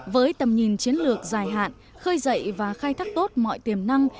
với tầm nhìn chiến lược dài hạn khơi dậy và khai thác tốt mọi tiềm năng